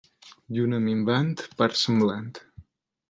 Lluna minvant, part semblant.